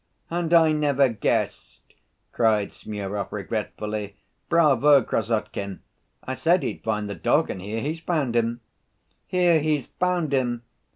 "And I never guessed!" cried Smurov regretfully. "Bravo, Krassotkin! I said he'd find the dog and here he's found him." "Here he's found him!"